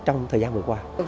trong thời gian vừa qua